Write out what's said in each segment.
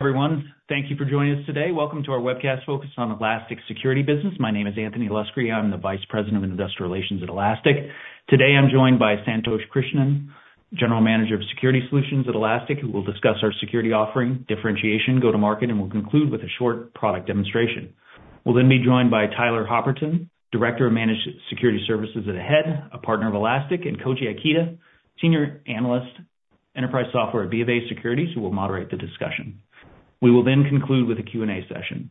Everyone, thank you for joining us today. Welcome to our webcast focused on Elastic Security Business. My name is Anthony Luscri. I'm the Vice President of Investor Relations at Elastic. Today, I'm joined by Santosh Krishnan, General Manager of Security Solutions at Elastic, who will discuss our security offering, differentiation, go-to-market, and we'll conclude with a short product demonstration. We'll then be joined by Tyler Hopperton, Director of Managed Security Services at AHEAD, a partner of Elastic, and Koji Ikeda, Senior Analyst, Enterprise Software at BofA Securities, who will moderate the discussion. We will then conclude with a Q&A session.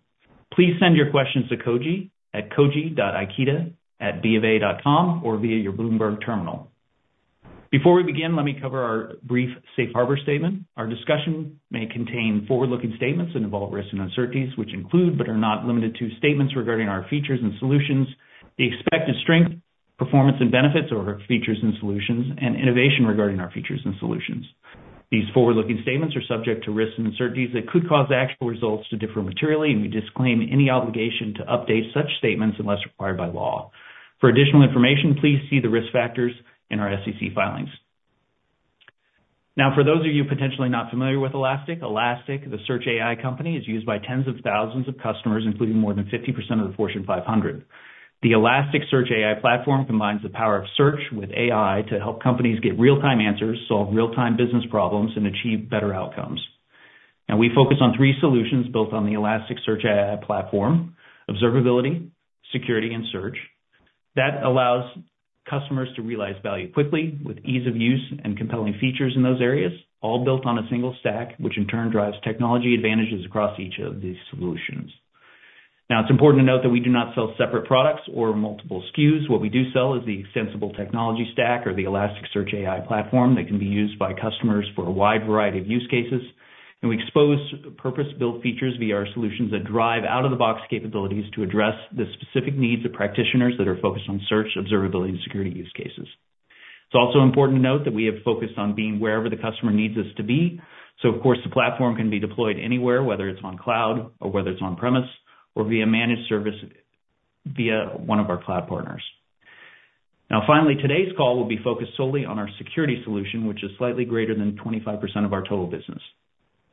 Please send your questions to Koji at koji.ikeda@bofa.com or via your Bloomberg terminal. Before we begin, let me cover our brief safe harbor statement. Our discussion may contain forward-looking statements and involve risks and uncertainties, which include, but are not limited to, statements regarding our features and solutions, the expected strength, performance, and benefits or features and solutions, and innovation regarding our features and solutions. These forward-looking statements are subject to risks and uncertainties that could cause the actual results to differ materially, and we disclaim any obligation to update such statements unless required by law. For additional information, please see the risk factors in our SEC filings. Now, for those of you potentially not familiar with Elastic, Elastic, the Search AI company, is used by tens of thousands of customers, including more than 50% of the Fortune 500. The Elastic Search AI Platform combines the power of search with AI to help companies get real-time answers, solve real-time business problems, and achieve better outcomes. We focus on three solutions built on the Elastic Search AI Platform: observability, security, and search. That allows customers to realize value quickly with ease of use and compelling features in those areas, all built on a single stack, which in turn drives technology advantages across each of these solutions. Now, it's important to note that we do not sell separate products or multiple SKUs. What we do sell is the extensible technology stack or the Elastic Search AI Platform that can be used by customers for a wide variety of use cases. We expose purpose-built features via our solutions that drive out-of-the-box capabilities to address the specific needs of practitioners that are focused on search, observability, and security use cases. It's also important to note that we have focused on being wherever the customer needs us to be. So of course, the platform can be deployed anywhere, whether it's on cloud or whether it's on-premise or via managed service via one of our cloud partners. Now, finally, today's call will be focused solely on our security solution, which is slightly greater than 25% of our total business.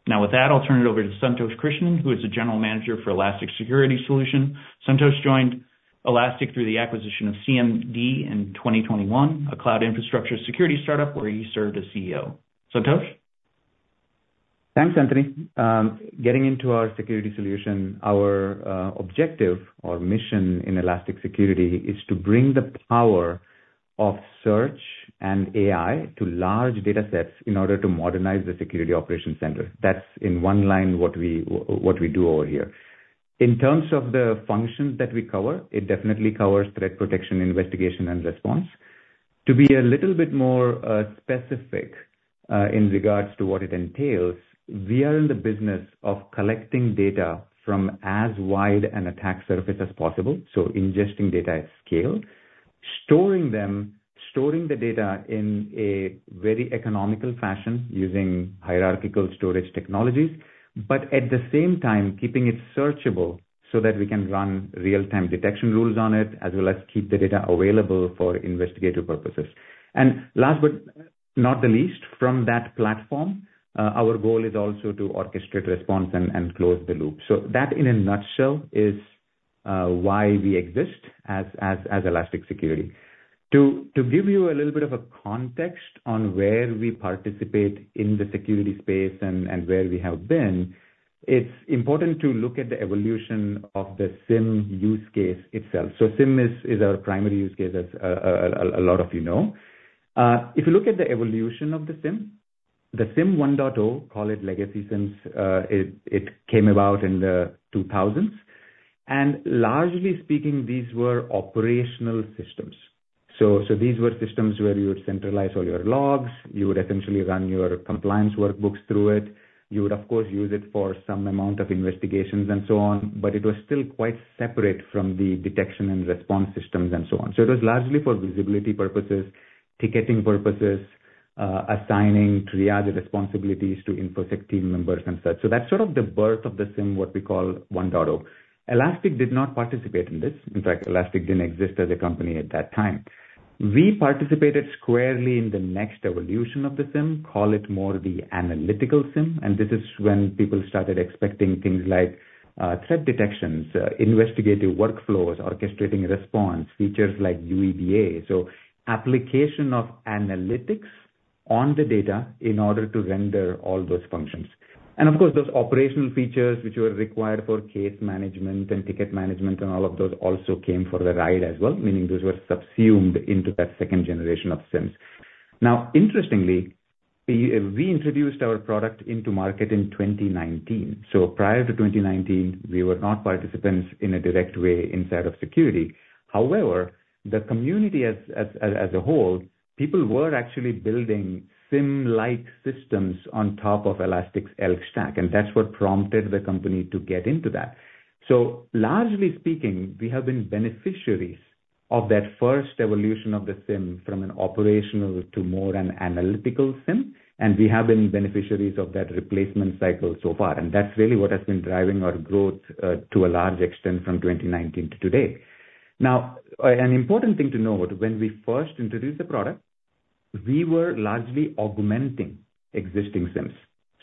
Now, with that, I'll turn it over to Santosh Krishnan, who is the General Manager for Elastic Security Solution. Santosh joined Elastic through the acquisition of Cmd in 2021, a cloud infrastructure security startup, where he served as CEO. Santosh? Thanks, Anthony. Getting into our security solution, our objective or mission in Elastic Security is to bring the power of search and AI to large datasets in order to modernize the Security Operations Center. That's in one line, what we, what we do over here. In terms of the functions that we cover, it definitely covers threat protection, investigation, and response. To be a little bit more specific, in regards to what it entails, we are in the business of collecting data from as wide an attack surface as possible, so ingesting data at scale, storing them, storing the data in a very economical fashion using hierarchical storage technologies, but at the same time, keeping it searchable so that we can run real-time detection rules on it, as well as keep the data available for investigative purposes. And last, but not the least, from that platform, our goal is also to orchestrate response and close the loop. So that, in a nutshell, is why we exist as Elastic Security. To give you a little bit of a context on where we participate in the security space and where we have been, it's important to look at the evolution of the SIEM use case itself. So SIEM is our primary use case, as a lot of you know. If you look at the evolution of the SIEM, the SIEM 1.0, call it legacy, since it came about in the 2000s, and largely speaking, these were operational systems. So these were systems where you would centralize all your logs, you would essentially run your compliance workbooks through it. You would, of course, use it for some amount of investigations and so on, but it was still quite separate from the detection and response systems and so on. So it was largely for visibility purposes, ticketing purposes, assigning triage responsibilities to InfoSec team members and such. So that's sort of the birth of the SIEM, what we call 1.0. Elastic did not participate in this. In fact, Elastic didn't exist as a company at that time. We participated squarely in the next evolution of the SIEM, call it more the analytical SIEM, and this is when people started expecting things like, threat detections, investigative workflows, orchestrating response, features like UEBA. So application of analytics on the data in order to render all those functions. Of course, those operational features which were required for case management and ticket management, and all of those also came for the ride as well, meaning those were subsumed into that second generation of SIEMs. Now, interestingly, we introduced our product into market in 2019. So prior to 2019, we were not participants in a direct way inside of security. However, the community as a whole, people were actually building SIEM-like systems on top of Elastic's ELK Stack, and that's what prompted the company to get into that. So largely speaking, we have been beneficiaries of that first evolution of the SIEM, from an operational to more an analytical SIEM, and we have been beneficiaries of that replacement cycle so far, and that's really what has been driving our growth to a large extent from 2019 to today. Now, an important thing to note, when we first introduced the product. We were largely augmenting existing SIEMs.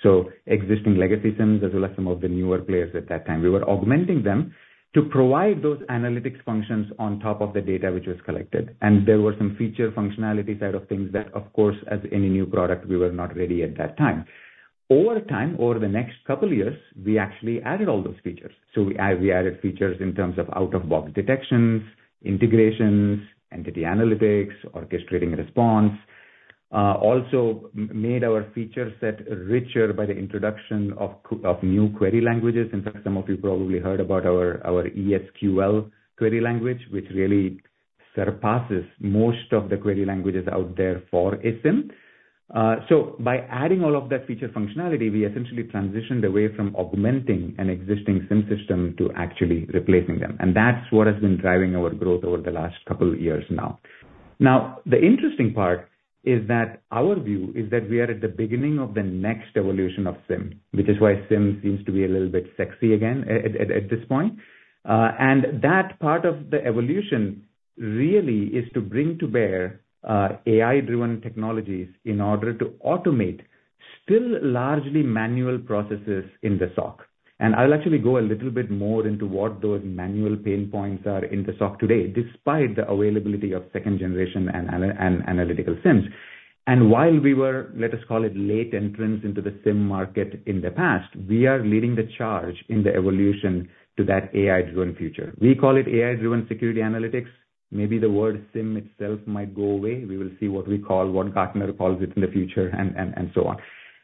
So existing legacy SIEMs, as well as some of the newer players at that time. We were augmenting them to provide those analytics functions on top of the data which was collected. And there were some feature functionality side of things that, of course, as any new product, we were not ready at that time. Over time, over the next couple of years, we actually added all those features. So we added, we added features in terms of out-of-box detections, integrations, entity analytics, orchestrating a response, also made our feature set richer by the introduction of new query languages. In fact, some of you probably heard about our ES|QL query language, which really surpasses most of the query languages out there for a SIEM. So by adding all of that feature functionality, we essentially transitioned away from augmenting an existing SIEM system to actually replacing them, and that's what has been driving our growth over the last couple of years now. Now, the interesting part is that our view is that we are at the beginning of the next evolution of SIEM, which is why SIEM seems to be a little bit sexy again at this point. And that part of the evolution really is to bring to bear AI-driven technologies in order to automate still largely manual processes in the SOC. I'll actually go a little bit more into what those manual pain points are in the SOC today, despite the availability of second generation and analytical SIEMs. While we were, let us call it, late entrants into the SIEM market in the past, we are leading the charge in the evolution to that AI-driven future. We call it AI-driven security analytics. Maybe the word SIEM itself might go away. We will see what we call, what Gartner calls it in the future, and so on.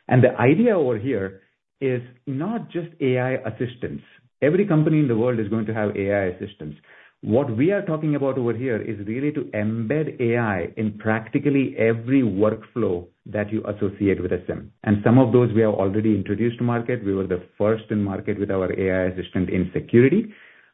The idea over here is not just AI assistance. Every company in the world is going to have AI assistance. What we are talking about over here is really to embed AI in practically every workflow that you associate with a SIEM. Some of those we have already introduced to market. We were the first in market with our AI assistant in security.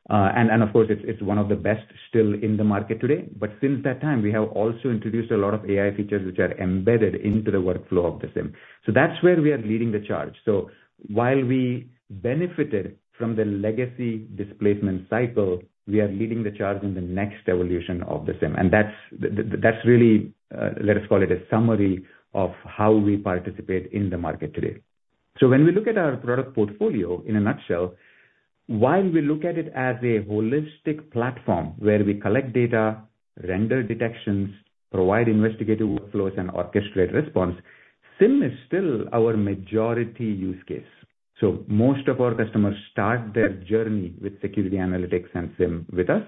And of course, it's one of the best still in the market today. But since that time, we have also introduced a lot of AI features which are embedded into the workflow of the SIEM. So that's where we are leading the charge. So while we benefited from the legacy displacement cycle, we are leading the charge in the next evolution of the SIEM, and that's really, let us call it a summary of how we participate in the market today. So when we look at our product portfolio, in a nutshell, while we look at it as a holistic platform where we collect data, render detections, provide investigative workflows, and orchestrate response, SIEM is still our majority use case. So most of our customers start their journey with security analytics and SIEM with us.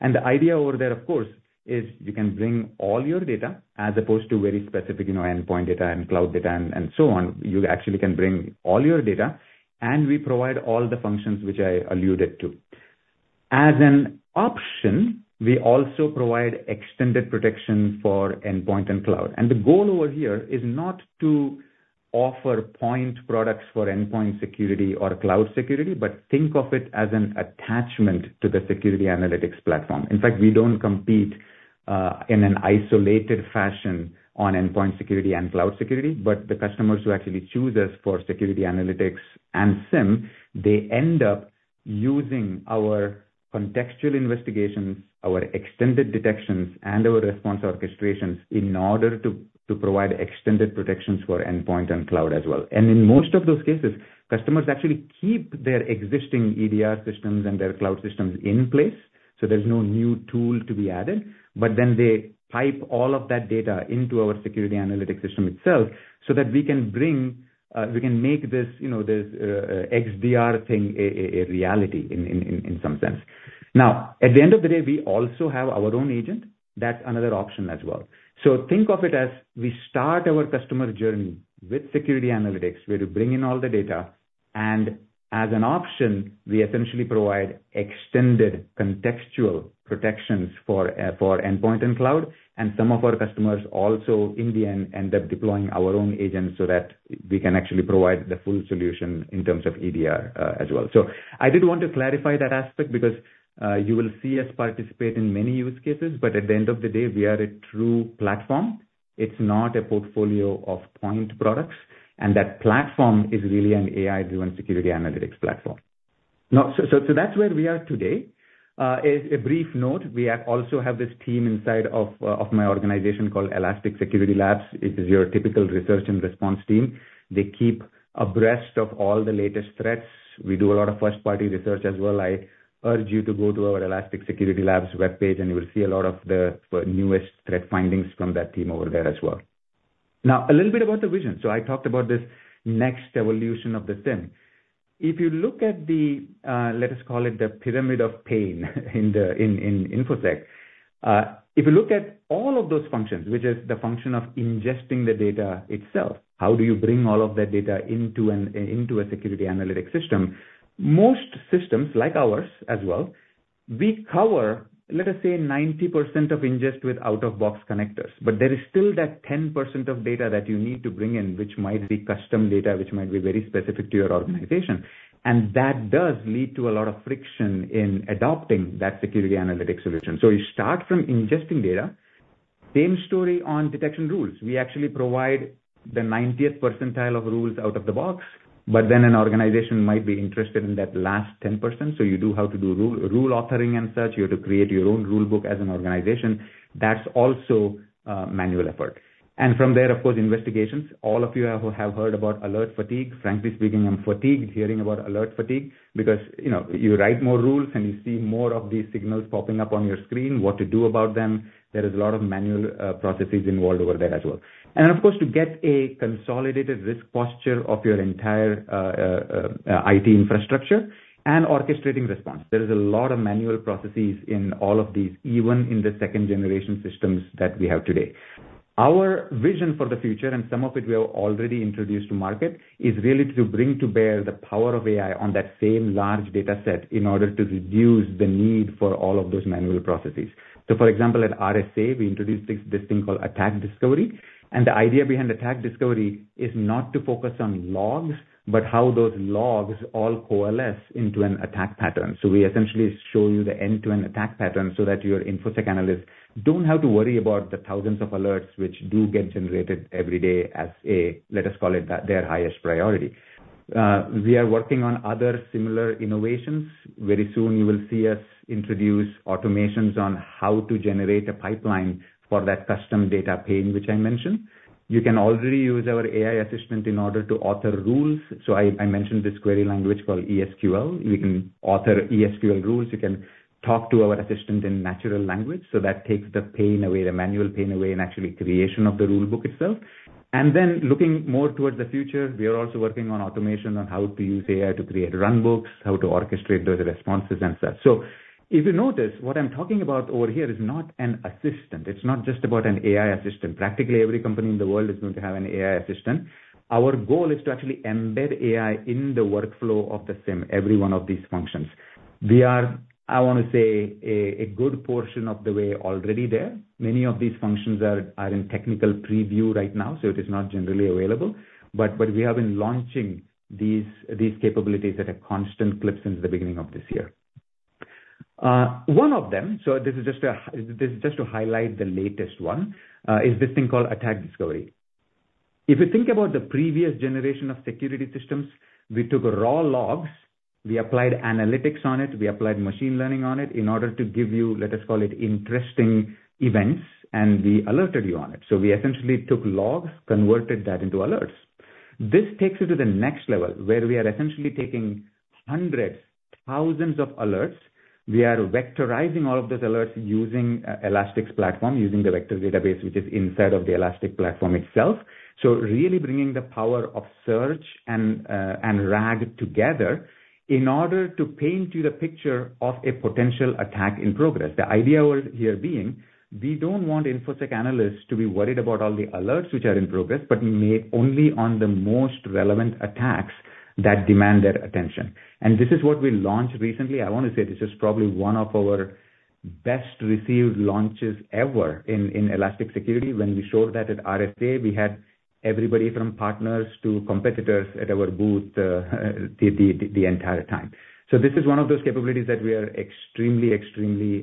The idea over there, of course, is you can bring all your data as opposed to very specific, you know, endpoint data and cloud data and so on. You actually can bring all your data, and we provide all the functions which I alluded to. As an option, we also provide extended protection for endpoint and cloud. The goal over here is not to offer point products for endpoint security or cloud security, but think of it as an attachment to the security analytics platform. In fact, we don't compete in an isolated fashion on endpoint security and cloud security, but the customers who actually choose us for security analytics and SIEM, they end up using our contextual investigations, our extended detections, and our response orchestrations in order to provide extended protections for endpoint and cloud as well. In most of those cases, customers actually keep their existing EDR systems and their cloud systems in place, so there's no new tool to be added. But then they pipe all of that data into our security analytics system itself so that we can make this, you know, this XDR thing a reality in some sense. Now, at the end of the day, we also have our own agent. That's another option as well. So think of it as we start our customer journey with security analytics, where we bring in all the data, and as an option, we essentially provide extended contextual protections for endpoint and cloud. And some of our customers also, in the end, end up deploying our own agents so that we can actually provide the full solution in terms of EDR, as well. So I did want to clarify that aspect because you will see us participate in many use cases, but at the end of the day, we are a true platform. It's not a portfolio of point products, and that platform is really an AI-driven security analytics platform. Now, so that's where we are today. A brief note, we also have this team inside of my organization called Elastic Security Labs. It is your typical research and response team. They keep abreast of all the latest threats. We do a lot of first-party research as well. I urge you to go to our Elastic Security Labs webpage, and you will see a lot of the newest threat findings from that team over there as well. Now, a little bit about the vision. So I talked about this next evolution of the SIEM. If you look at the, let us call it the Pyramid of Pain, in the InfoSec. If you look at all of those functions, which is the function of ingesting the data itself, how do you bring all of that data into into a security analytic system? Most systems, like ours as well, we cover, let us say, 90% of ingest with out-of-box connectors. But there is still that 10% of data that you need to bring in, which might be custom data, which might be very specific to your organization. That does lead to a lot of friction in adopting that security analytics solution. So you start from ingesting data. Same story on detection rules. We actually provide the 90th percentile of rules out of the box, but then an organization might be interested in that last 10%. So you do have to do rule authoring and such. You have to create your own rule book as an organization. That's also manual effort. And from there, of course, investigations. All of you have heard about alert fatigue. Frankly speaking, I'm fatigued hearing about alert fatigue, because, you know, you write more rules and you see more of these signals popping up on your screen, what to do about them. There is a lot of manual processes involved over there as well. And of course, to get a consolidated risk posture of your entire IT infrastructure and orchestrating response, there is a lot of manual processes in all of these, even in the second generation systems that we have today. Our vision for the future, and some of it we have already introduced to market, is really to bring to bear the power of AI on that same large dataset in order to reduce the need for all of those manual processes. So for example, at RSA, we introduced this, this thing called Attack Discovery. And the idea behind Attack Discovery is not to focus on logs, but how those logs all coalesce into an attack pattern. So we essentially show you the end-to-end attack pattern so that your infosec analysts don't have to worry about the thousands of alerts which do get generated every day as a... Let us call it that, their highest priority. We are working on other similar innovations. Very soon you will see us introduce automations on how to generate a pipeline for that custom data pain, which I mentioned. You can already use our AI assistant in order to author rules. So I, I mentioned this query language called ES|QL. You can author ES|QL rules. You can talk to our assistant in natural language, so that takes the pain away, the manual pain away, in actually creation of the rule book itself. And then looking more towards the future, we are also working on automation, on how to use AI to create run books, how to orchestrate those responses and such. So if you notice, what I'm talking about over here is not an assistant. It's not just about an AI assistant. Practically every company in the world is going to have an AI assistant. Our goal is to actually embed AI in the workflow of the SIEM, every one of these functions. We are, I wanna say, a good portion of the way already there. Many of these functions are in technical preview right now, so it is not generally available. But we have been launching these capabilities at a constant clip since the beginning of this year. One of them, so this is just a - this is just to highlight the latest one, is this thing called Attack Discovery. If you think about the previous generation of security systems, we took raw logs, we applied analytics on it, we applied machine learning on it in order to give you, let us call it, interesting events, and we alerted you on it. So we essentially took logs, converted that into alerts. This takes it to the next level, where we are essentially taking hundreds, thousands of alerts. We are vectorizing all of those alerts using Elastic's platform, using the vector database, which is inside of the Elastic platform itself. So really bringing the power of search and RAG together in order to paint you the picture of a potential attack in progress. The idea over here being, we don't want infosec analysts to be worried about all the alerts which are in progress, but only on the most relevant attacks that demand their attention. And this is what we launched recently. I want to say this is probably one of our best received launches ever in Elastic Security. When we showed that at RSA, we had everybody from partners to competitors at our booth the entire time. This is one of those capabilities that we are extremely, extremely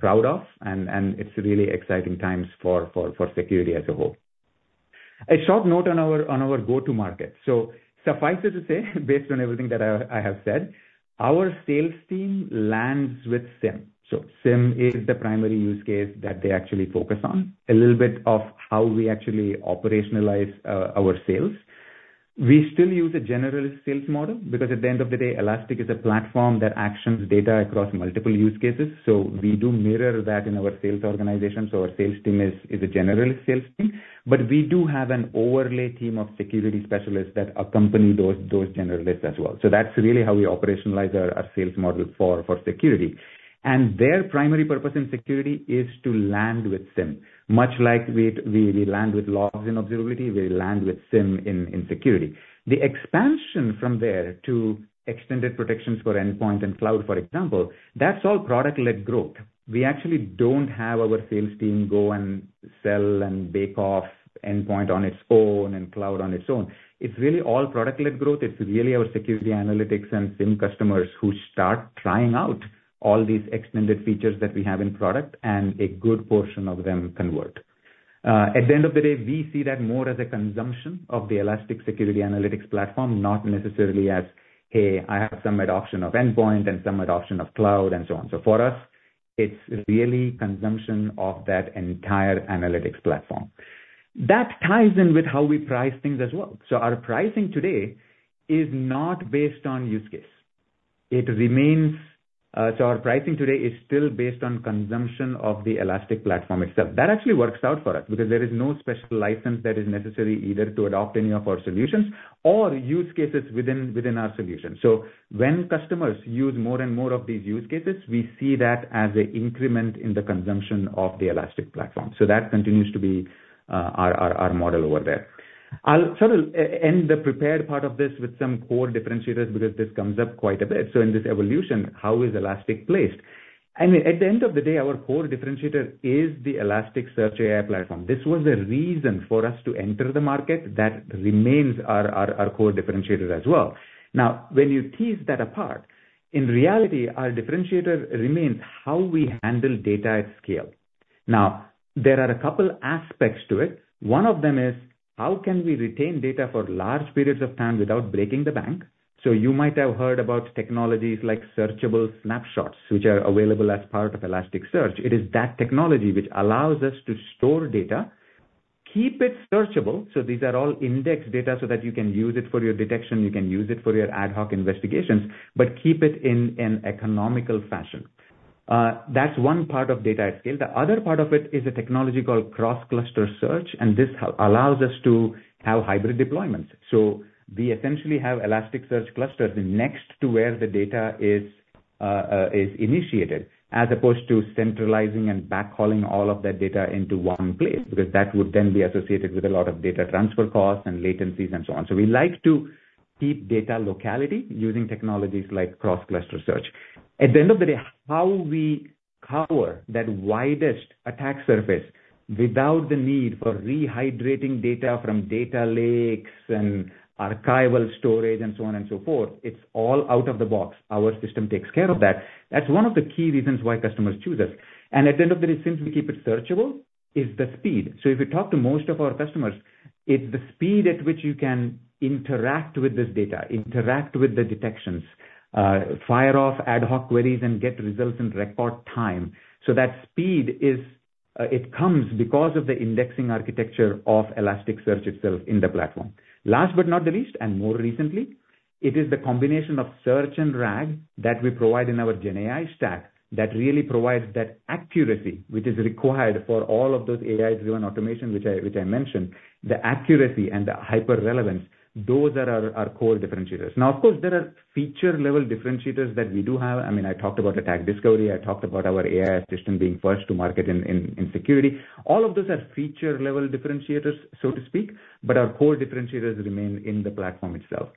proud of, and it's really exciting times for security as a whole. A short note on our go-to-market. Suffice it to say, based on everything that I have said, our sales team lands with SIEM. SIEM is the primary use case that they actually focus on. A little bit of how we actually operationalize our sales. We still use a general sales model, because at the end of the day, Elastic is a platform that actions data across multiple use cases. We do mirror that in our sales organization. So our sales team is a general sales team, but we do have an overlay team of security specialists that accompany those generalists as well. So that's really how we operationalize our sales model for security. And their primary purpose in security is to land with SIEM. Much like we land with logs in observability, we land with SIEM in security. The expansion from there to extended protections for endpoint and cloud, for example, that's all product-led growth. We actually don't have our sales team go and sell and bake off endpoint on its own and cloud on its own. It's really all product-led growth. It's really our security analytics and SIEM customers who start trying out all these extended features that we have in product, and a good portion of them convert. At the end of the day, we see that more as a consumption of the Elastic Security analytics platform, not necessarily as a, "I have some adoption of endpoint and some adoption of cloud," and so on. So for us, it's really consumption of that entire analytics platform. That ties in with how we price things as well. So our pricing today is not based on use case. It remains. So our pricing today is still based on consumption of the Elastic platform itself. That actually works out for us, because there is no special license that is necessary either to adopt any of our solutions or use cases within our solution. So when customers use more and more of these use cases, we see that as a increment in the consumption of the Elastic platform. So that continues to be our model over there. I'll sort of end the prepared part of this with some core differentiators, because this comes up quite a bit. So in this evolution, how is Elastic placed? I mean, at the end of the day, our core differentiator is the Elastic Search AI Platform. This was the reason for us to enter the market. That remains our core differentiator as well. Now, when you tease that apart, in reality, our differentiator remains how we handle data at scale. Now, there are a couple aspects to it. One of them is, how can we retain data for large periods of time without breaking the bank? So you might have heard about technologies like Searchable Snapshots, which are available as part of Elasticsearch. It is that technology which allows us to store data, keep it searchable, so these are all index data, so that you can use it for your detection, you can use it for your ad hoc investigations, but keep it in an economical fashion. That's one part of data at scale. The other part of it is a technology called Cross Cluster Search, and this allows us to have hybrid deployments. So we essentially have Elasticsearch clusters next to where the data is initiated, as opposed to centralizing and backhauling all of that data into one place, because that would then be associated with a lot of data transfer costs and latencies and so on. So we like to keep data locality using technologies like Cross Cluster Search. At the end of the day, how we cover that widest attack surface without the need for rehydrating data from data lakes and archival storage and so on and so forth, it's all out of the box. Our system takes care of that. That's one of the key reasons why customers choose us. At the end of the day, since we keep it searchable, is the speed. So if you talk to most of our customers, it's the speed at which you can interact with this data, interact with the detections, fire off ad hoc queries, and get results in record time. So that speed is, it comes because of the indexing architecture of Elasticsearch itself in the platform. Last but not the least, and more recently, it is the combination of search and RAG that we provide in our GenAI stack that really provides that accuracy which is required for all of those AI-driven automation, which I, which I mentioned. The accuracy and the hyper relevance, those are our, our core differentiators. Now, of course, there are feature-level differentiators that we do have. I mean, I talked about Attack Discovery, I talked about our AI Assistant being first to market in security. All of those are feature-level differentiators, so to speak, but our core differentiators remain in the platform itself.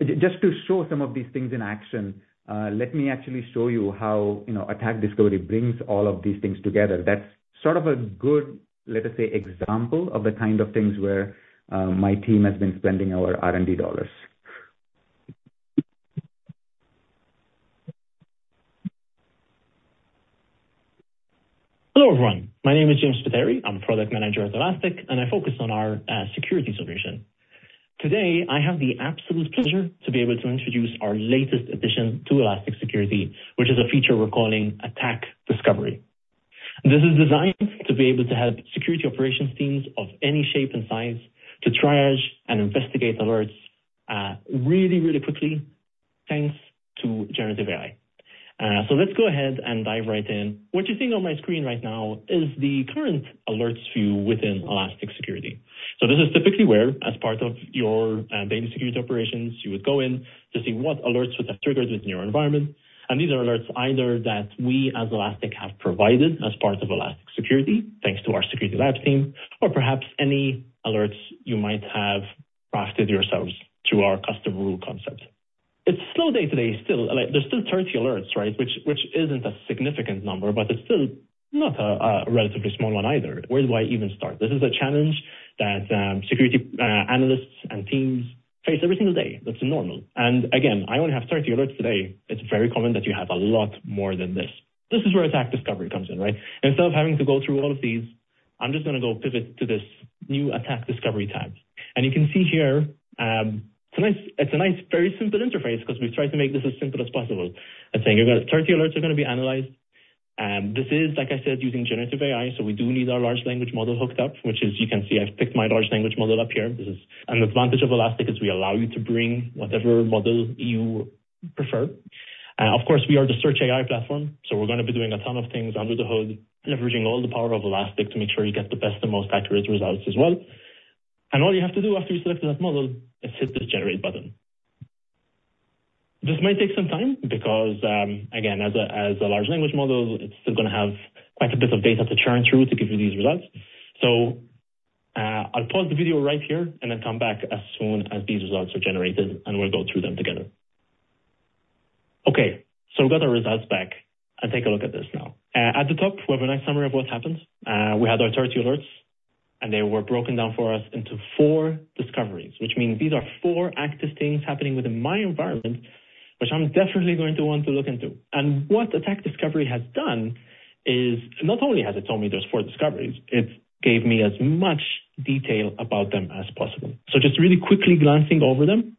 Just to show some of these things in action, let me actually show you how, you know, Attack Discovery brings all of these things together. That's sort of a good, let us say, example of the kind of things where my team has been spending our R&D dollars. Hello, everyone. My name is James Spiteri. I'm a product manager at Elastic, and I focus on our security solution. Today, I have the absolute pleasure to be able to introduce our latest addition to Elastic Security, which is a feature we're calling Attack Discovery. This is designed to be able to help security operations teams of any shape and size to triage and investigate alerts really, really quickly, thanks to generative AI. So let's go ahead and dive right in. What you're seeing on my screen right now is the current alerts view within Elastic Security. So this is typically where, as part of your daily security operations, you would go in to see what alerts would have triggered within your environment. These are alerts either that we, as Elastic, have provided as part of Elastic Security, thanks to our security labs team, or perhaps any alerts you might have crafted yourselves through our custom rule concepts. It's a slow day today, still. Like, there's still 30 alerts, right? Which isn't a significant number, but it's still not a relatively small one either. Where do I even start? This is a challenge that security analysts and teams face every single day. That's normal. And again, I only have 30 alerts today. It's very common that you have a lot more than this. This is where Attack Discovery comes in, right? Instead of having to go through all of these, I'm just gonna go pivot to this new Attack Discovery tab. You can see here, it's a nice, it's a nice, very simple interface because we've tried to make this as simple as possible. I think you've got 30 alerts are gonna be analyzed. This is, like I said, using generative AI, so we do need our large language model hooked up, which is, you can see I've picked my large language model up here. This is an advantage of Elastic, is we allow you to bring whatever model you prefer. Of course, we are the search AI platform, so we're gonna be doing a ton of things under the hood, leveraging all the power of Elastic to make sure you get the best and most accurate results as well. All you have to do after you select the best model, is hit the Generate button. This may take some time because, again, as a large language model, it's still gonna have quite a bit of data to churn through to give you these results. So, I'll pause the video right here and then come back as soon as these results are generated, and we'll go through them together. Okay, so we've got our results back. I'll take a look at this now. At the top, we have a nice summary of what happened. We had our 30 alerts, and they were broken down for us into four discoveries, which means these are four active things happening within my environment, which I'm definitely going to want to look into. And what Attack Discovery has done is, not only has it told me there's four discoveries, it's gave me as much detail about them as possible. So just really quickly glancing over them,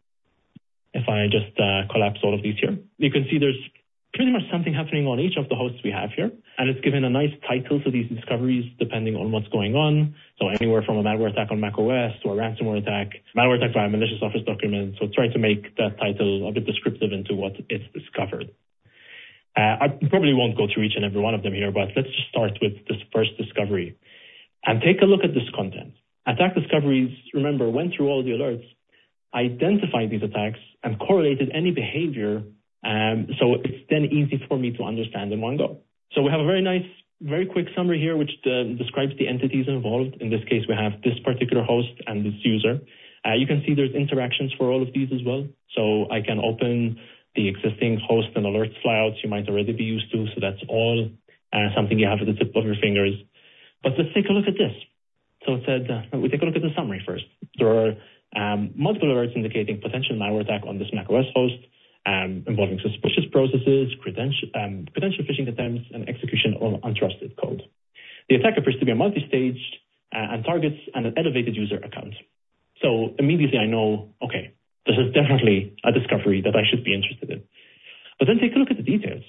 if I just, collapse all of these here, you can see there's pretty much something happening on each of the hosts we have here, and it's given a nice title to these discoveries, depending on what's going on. So anywhere from a malware attack on macOS to a ransomware attack, malware attack by a malicious Office document. So it's trying to make that title a bit descriptive into what it's discovered. I probably won't go through each and every one of them here, but let's just start with this first discovery, and take a look at this content. Attack discoveries, remember, went through all the alerts, identified these attacks, and correlated any behavior, so it's then easy for me to understand in one go. So we have a very nice, very quick summary here, which describes the entities involved. In this case, we have this particular host and this user. You can see there's interactions for all of these as well. So I can open the existing host and alerts flyouts you might already be used to. So that's all something you have at the tip of your fingers. But let's take a look at this. So it said, we take a look at the summary first. There are multiple alerts indicating potential malware attack on this macOS host, involving suspicious processes, credential phishing attempts, and execution of untrusted code. The attacker appears to be a multi-stage and targets an elevated user account. So immediately I know, okay, this is definitely a discovery that I should be interested in. But then take a look at the details.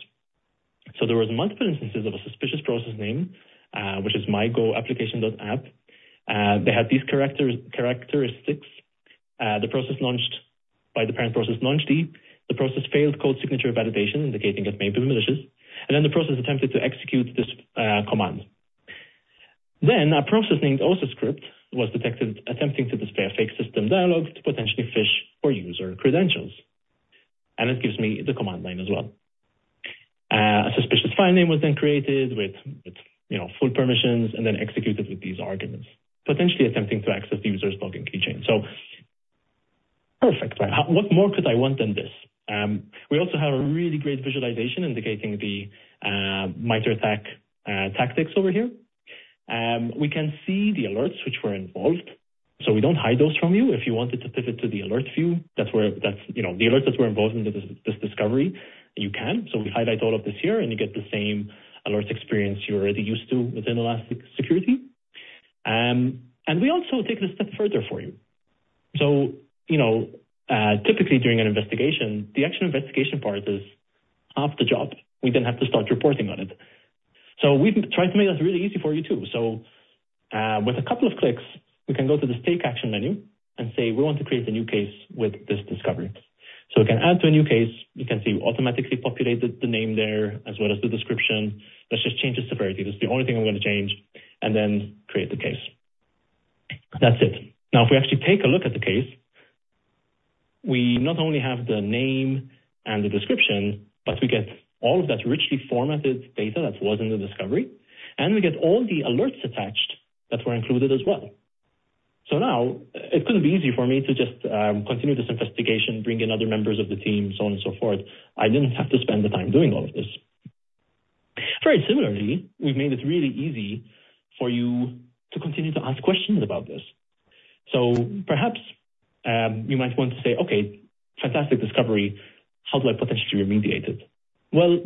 So there was multiple instances of a suspicious process name, which is MyGoApplication.app. They had these characteristics. The process launched by the parent process launchd. The process failed code signature validation, indicating it may be malicious, and then the process attempted to execute this command. Then a process named osascript was detected attempting to display a fake system dialog to potentially phish for user credentials, and it gives me the command line as well. A suspicious file name was then created with, you know, full permissions and then executed with these arguments, potentially attempting to access the user's login keychain. So perfect, right? What more could I want than this? We also have a really great visualization indicating the MITRE ATT&CK tactics over here. We can see the alerts which were involved, so we don't hide those from you. If you wanted to pivot to the alert view, that's where... That's, you know, the alerts that were involved in this, this discovery, you can. So we highlight all of this here, and you get the same alerts experience you're already used to within Elastic Security. And we also take it a step further for you. So, you know, typically during an investigation, the actual investigation part is half the job. We then have to start reporting on it. So we've tried to make this really easy for you, too. So, with a couple of clicks, we can go to this Take action menu and say, we want to create a new case with this discovery. So we can add to a new case. You can see we automatically populated the name there as well as the description. Let's just change the severity. That's the only thing I'm gonna change, and then create the case. That's it. Now, if we actually take a look at the case, we not only have the name and the description, but we get all of that richly formatted data that was in the discovery, and we get all the alerts attached that were included as well. So now it couldn't be easier for me to just continue this investigation, bring in other members of the team, so on and so forth. I didn't have to spend the time doing all of this. Very similarly, we've made it really easy for you to continue to ask questions about this. So perhaps you might want to say, "Okay, fantastic discovery. How do I potentially remediate it?" Well,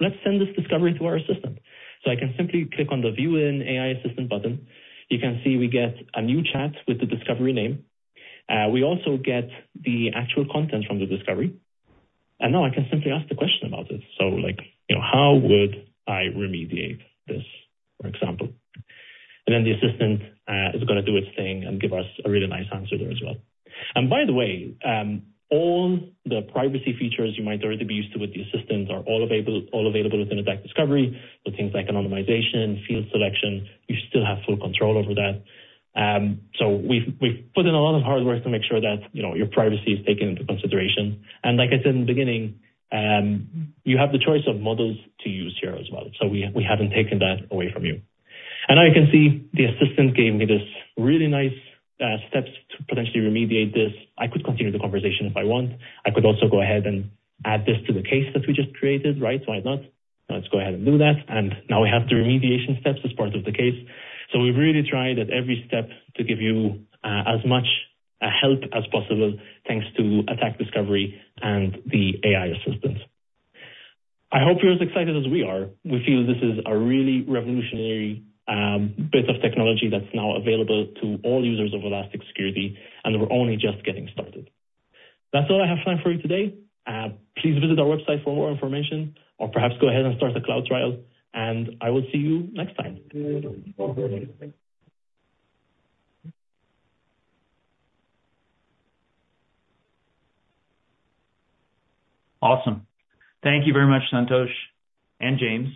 let's send this discovery to our assistant. So I can simply click on the View in AI Assistant button. You can see we get a new chat with the discovery name. We also get the actual content from the discovery, and now I can simply ask the question about it. So like, you know, how would I remediate this, for example? And then the assistant is gonna do its thing and give us a really nice answer there as well. And by the way, all the privacy features you might already be used to with the assistant are all available within Attack Discovery, with things like anonymization, field selection. You still have full control over that. So we've, we've put in a lot of hard work to make sure that, you know, your privacy is taken into consideration. Like I said in the beginning, you have the choice of models to use here as well, so we haven't taken that away from you. Now you can see the assistant gave me this really nice steps to potentially remediate this. I could continue the conversation if I want. I could also go ahead and add this to the case that we just created, right? Why not? Let's go ahead and do that. Now we have the remediation steps as part of the case. So we've really tried at every step to give you as much help as possible, thanks to Attack Discovery and the AI assistants. I hope you're as excited as we are. We feel this is a really revolutionary bit of technology that's now available to all users of Elastic Security, and we're only just getting started. That's all I have time for you today. Please visit our website for more information, or perhaps go ahead and start the cloud trial, and I will see you next time. Awesome. Thank you very much, Santosh and James,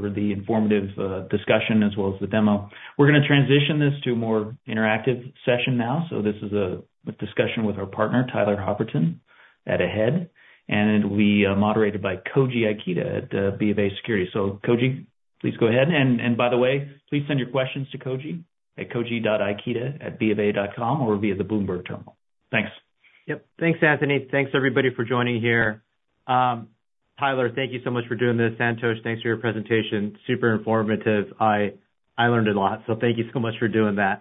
for the informative discussion as well as the demo. We're gonna transition this to a more interactive session now. This is a discussion with our partner, Tyler Hopperton, at AHEAD, and will be moderated by Koji Ikeda at BofA Securities. Koji, please go ahead. And by the way, please send your questions to Koji at koji.ikeda@bofa.com or via the Bloomberg terminal. Thanks. Yep. Thanks, Anthony. Thanks, everybody, for joining here. Tyler, thank you so much for doing this. Santosh, thanks for your presentation. Super informative. I, I learned a lot, so thank you so much for doing that.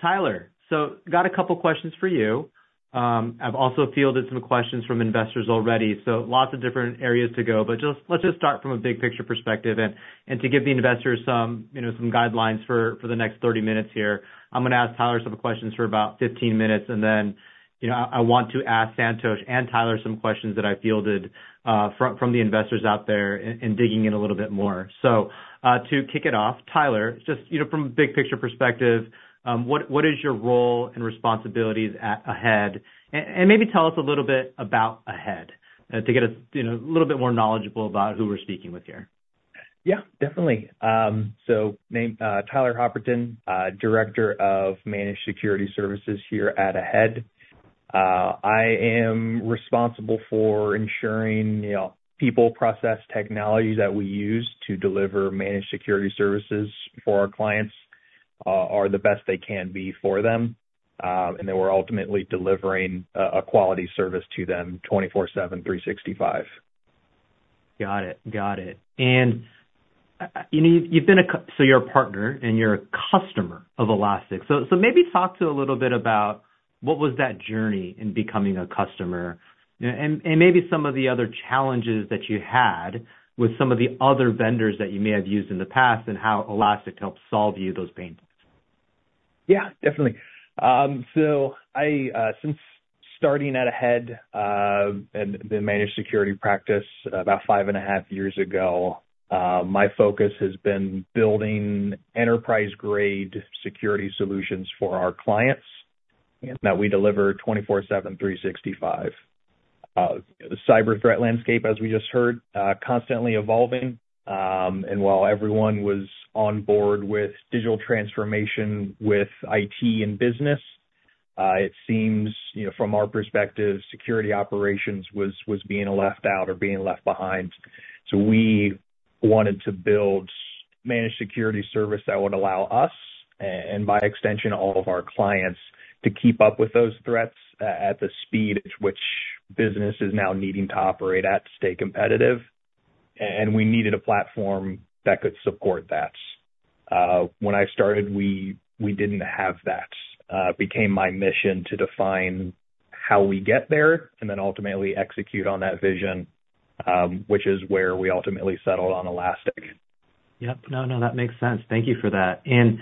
Tyler, so got a couple questions for you. I've also fielded some questions from investors already, so lots of different areas to go. But just... Let's just start from a big-picture perspective and, and to give the investors some, you know, some guidelines for, for the next 30 minutes here, I'm gonna ask Tyler some questions for about 15 minutes, and then, you know, I- I want to ask Santosh and Tyler some questions that I fielded, from, from the investors out there and digging in a little bit more. So, to kick it off, Tyler, just, you know, from a big-picture perspective, what is your role and responsibilities at AHEAD? And maybe tell us a little bit about AHEAD, to get us, you know, a little bit more knowledgeable about who we're speaking with here. Yeah, definitely. So, Tyler Hopperton, director of managed security services here at AHEAD. I am responsible for ensuring, you know, people, process, technology that we use to deliver managed security services for our clients, are the best they can be for them, and that we're ultimately delivering a quality service to them 24/7, 365. Got it. Got it. And, you know, you've been so you're a partner, and you're a customer of Elastic. So, so maybe talk a little bit about what was that journey in becoming a customer, and, and maybe some of the other challenges that you had with some of the other vendors that you may have used in the past, and how Elastic helped solve you those pains? Yeah, definitely. So I, since starting at AHEAD, and the managed security practice about 5.5 years ago, my focus has been building enterprise-grade security solutions for our clients that we deliver 24/7, 365. The cyber threat landscape, as we just heard, constantly evolving, and while everyone was on board with digital transformation with IT and business, it seems, you know, from our perspective, security operations was being left out or being left behind. So we wanted to build managed security service that would allow us, and by extension, all of our clients, to keep up with those threats at the speed at which business is now needing to operate at to stay competitive. And we needed a platform that could support that. When I started, we didn't have that. Became my mission to define how we get there and then ultimately execute on that vision, which is where we ultimately settled on Elastic. Yep. No, no, that makes sense. Thank you for that. And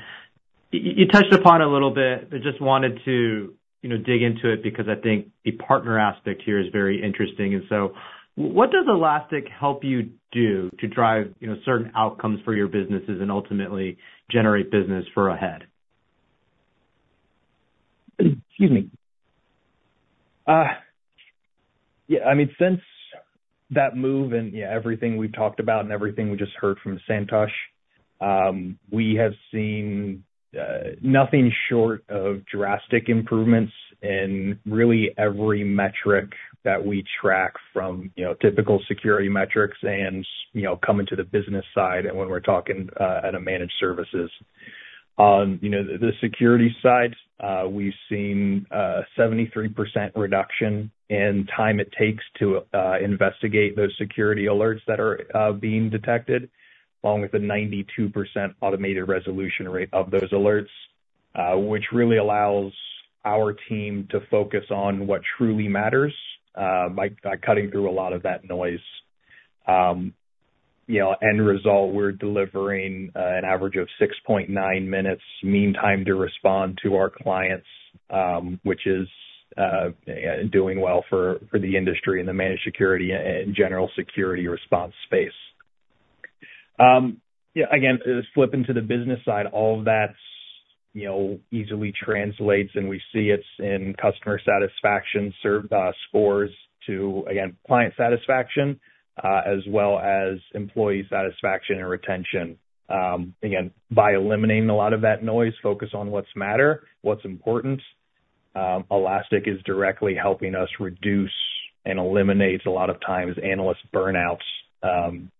you touched upon it a little bit, but just wanted to, you know, dig into it because I think the partner aspect here is very interesting. And so what does Elastic help you do to drive, you know, certain outcomes for your businesses and ultimately generate business for AHEAD? Excuse me. Yeah, I mean, since that move and, yeah, everything we've talked about and everything we just heard from Santosh, we have seen nothing short of drastic improvements in really every metric that we track from, you know, typical security metrics and, you know, coming to the business side and when we're talking at a managed services. You know, the security side, we've seen a 73% reduction in time it takes to investigate those security alerts that are being detected, along with a 92% automated resolution rate of those alerts, which really allows our team to focus on what truly matters, by cutting through a lot of that noise. You know, end result, we're delivering an average of 6.9 minutes mean time to respond to our clients, which is doing well for the industry and the managed security and general security response space. Yeah, again, flipping to the business side, all of that, you know, easily translates, and we see it in customer satisfaction survey scores to client satisfaction, as well as employee satisfaction and retention. Again, by eliminating a lot of that noise, focus on what's matter, what's important, Elastic is directly helping us reduce and eliminates, a lot of times, analyst burnouts,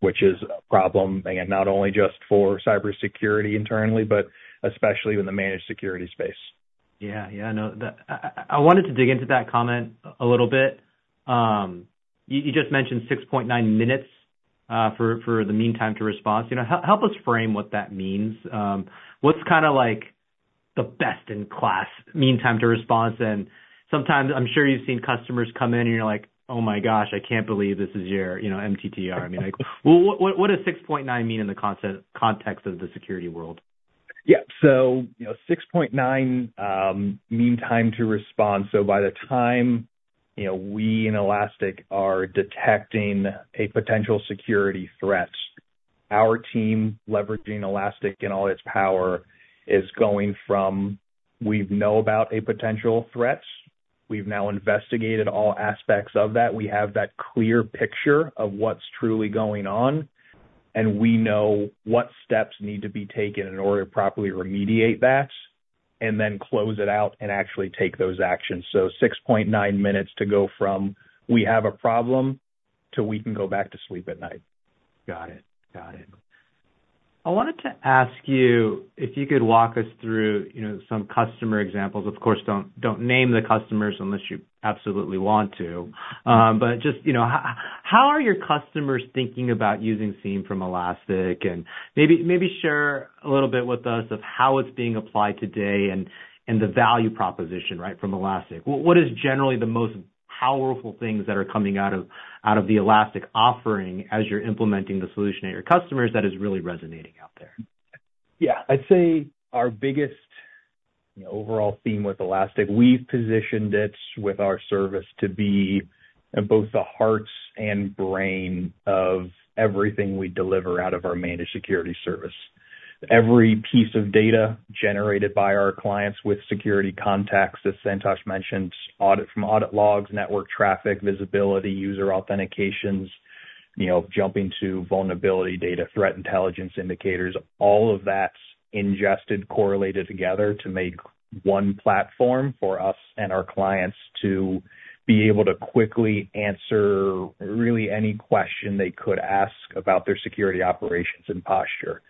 which is a problem, again, not only just for cybersecurity internally, but especially in the managed security space. Yeah. Yeah, I know. I wanted to dig into that comment a little bit. You just mentioned 6.9 minutes for the mean time to response. You know, help us frame what that means. What's kinda like the best-in-class mean time to response? And sometimes I'm sure you've seen customers come in, and you're like, "Oh, my gosh, I can't believe this is your, you know, MTTR." I mean, like, well, what does 6.9 mean in the context of the security world? Yeah. So, you know, 6.9 mean time to respond, so by the time, you know, we and Elastic are detecting a potential security threat, our team, leveraging Elastic and all its power, is going from we know about a potential threats. We've now investigated all aspects of that. We have that clear picture of what's truly going on, and we know what steps need to be taken in order to properly remediate that, and then close it out and actually take those actions. So 6.9 minutes to go from, "We have a problem," to, "We can go back to sleep at night. Got it. Got it. I wanted to ask you if you could walk us through, you know, some customer examples. Of course, don't, don't name the customers unless you absolutely want to. But just, you know, how are your customers thinking about using SIEM from Elastic? And maybe, maybe share a little bit with us of how it's being applied today and, and the value proposition, right, from Elastic. What is generally the most powerful things that are coming out of the Elastic offering as you're implementing the solution at your customers that is really resonating out there? Yeah. I'd say our biggest, you know, overall theme with Elastic, we've positioned it with our service to be both the hearts and brain of everything we deliver out of our managed security service. Every piece of data generated by our clients with security contacts, as Santosh mentioned, audit from audit logs, network traffic, visibility, user authentications, you know, jumping to vulnerability data, threat intelligence indicators, all of that's ingested, correlated together to make one platform for us and our clients to be able to quickly answer really any question they could ask about their security operations and posture.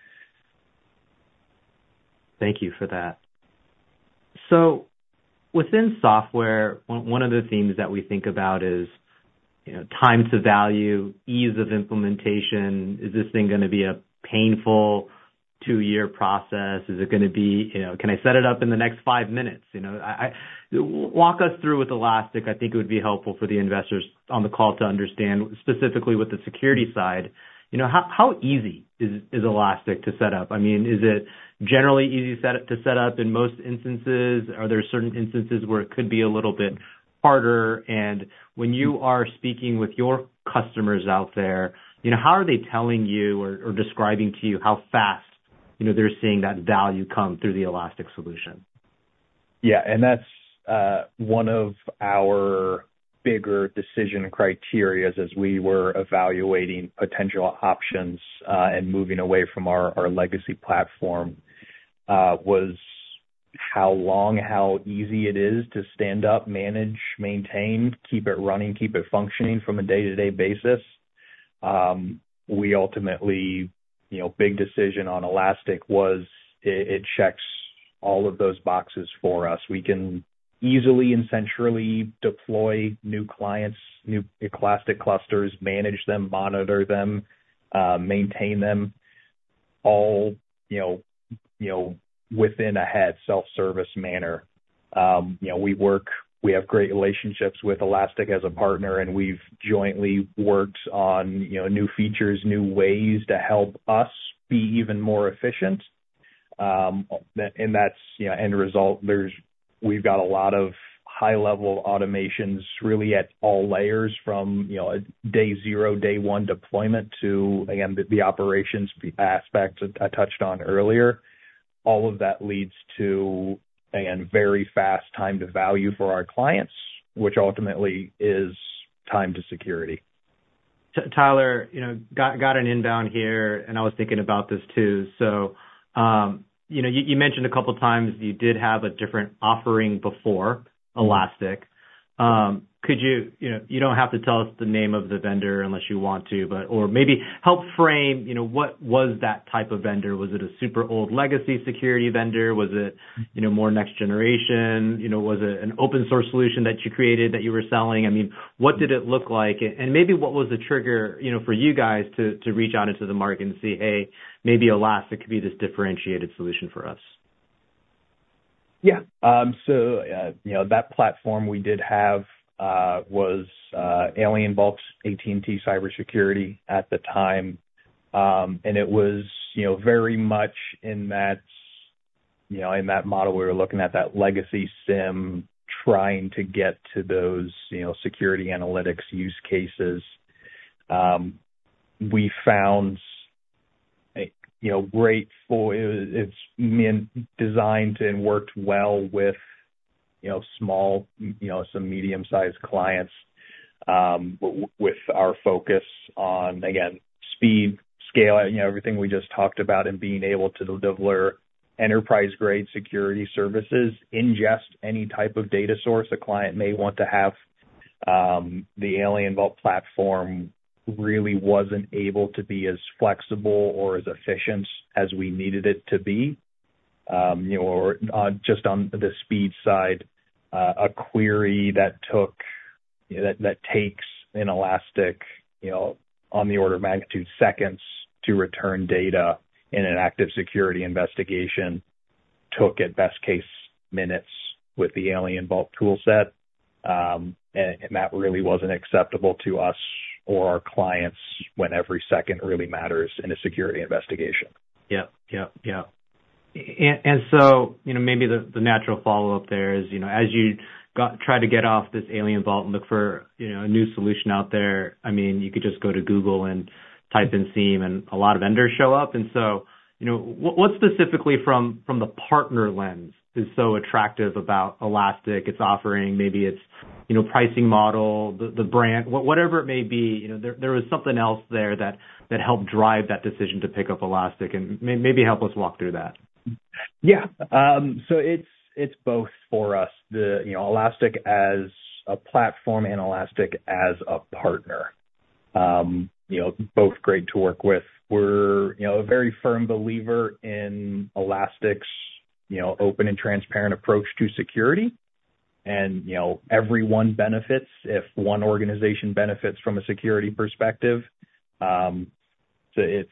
Thank you for that. So within software, one of the themes that we think about is, you know, time to value, ease of implementation. Is this thing gonna be a painful two-year process? Is it gonna be, you know, can I set it up in the next five minutes? You know, I walk us through with Elastic. I think it would be helpful for the investors on the call to understand, specifically with the security side, you know, how easy is Elastic to set up? I mean, is it generally easy to set up in most instances? Are there certain instances where it could be a little bit harder? And when you are speaking with your customers out there, you know, how are they telling you or, or describing to you how fast, you know, they're seeing that value come through the Elastic solution? Yeah, and that's one of our bigger decision criteria as we were evaluating potential options and moving away from our legacy platform was how easy it is to stand up, manage, maintain, keep it running, keep it functioning from a day-to-day basis. We ultimately... You know, big decision on Elastic was, it checks all of those boxes for us. We can easily and centrally deploy new clients, new Elastic clusters, manage them, monitor them, maintain them, all, you know, within AHEAD self-service manner. You know, we have great relationships with Elastic as a partner, and we've jointly worked on, you know, new features, new ways to help us be even more efficient. And that's, you know, end result, there's, we've got a lot of high-level automations really at all layers from, you know, day zero, day one deployment to, again, the operations, the aspects I touched on earlier. All of that leads to, again, very fast time to value for our clients, which ultimately is time to security. Tyler, you know, got an inbound here, and I was thinking about this too. So, you know, you mentioned a couple times that you did have a different offering before Elastic. Could you... You know, you don't have to tell us the name of the vendor unless you want to, but or maybe help frame, you know, what was that type of vendor? Was it a super old legacy security vendor? Was it, you know, more next generation? You know, was it an open source solution that you created, that you were selling? I mean, what did it look like? And maybe what was the trigger, you know, for you guys to reach out into the market and say, "Hey, maybe Elastic could be this differentiated solution for us"? Yeah. So, you know, that platform we did have was AlienVault, AT&T Cybersecurity at the time. And it was, you know, very much in that, you know, in that model. We were looking at that legacy SIEM, trying to get to those, you know, security analytics use cases. We found, you know, great for... It's, I mean, designed and worked well with, you know, small, you know, some medium-sized clients. With our focus on, again, speed, scale, you know, everything we just talked about, and being able to deliver enterprise-grade security services, ingest any type of data source a client may want to have, the AlienVault platform really wasn't able to be as flexible or as efficient as we needed it to be. You know, or just on the speed side, a query that took, that takes an Elastic, you know, on the order of magnitude seconds to return data in an active security investigation, took at best case minutes with the AlienVault tool set. And that really wasn't acceptable to us or our clients, when every second really matters in a security investigation. Yep. Yep. Yep. And so, you know, maybe the natural follow-up there is, you know, as you tried to get off this AlienVault and look for, you know, a new solution out there, I mean, you could just go to Google and type in SIEM and a lot of vendors show up. And so, you know, what specifically from the partner lens is so attractive about Elastic? It's offering, maybe it's, you know, pricing model, the brand. Whatever it may be, you know, there is something else there that helped drive that decision to pick up Elastic, and maybe help us walk through that. Yeah. So it's both for us. You know, Elastic as a platform and Elastic as a partner. You know, both great to work with. We're, you know, a very firm believer in Elastic's, you know, open and transparent approach to security. And, you know, everyone benefits if one organization benefits from a security perspective. So it's,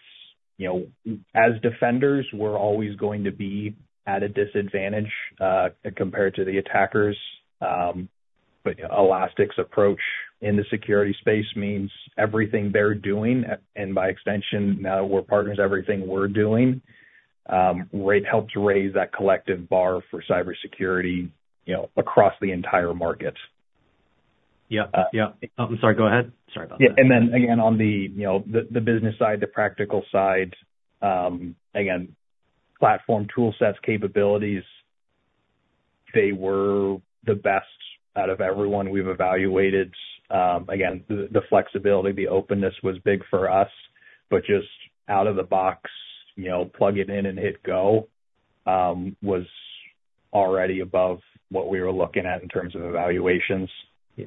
you know, as defenders, we're always going to be at a disadvantage compared to the attackers. But Elastic's approach in the security space means everything they're doing and by extension, now we're partners, everything we're doing helps raise that collective bar for cybersecurity, you know, across the entire market. Yep. Yep. Uh- I'm sorry, go ahead. Sorry about that. Yeah, and then again, on the, you know, the, the business side, the practical side, again, platform tool sets, capabilities, they were the best out of everyone we've evaluated. Again, the, the flexibility, the openness was big for us, but just out of the box, you know, plug it in and hit go, was already above what we were looking at in terms of evaluations